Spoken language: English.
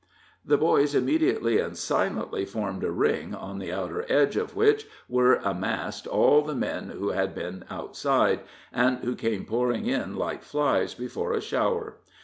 The boys immediately and silently formed a ring, on the outer edge of which were massed all the men who had been outside, and who came pouring in like flies before a shower.